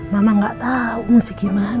mama gak tahu mesti gimana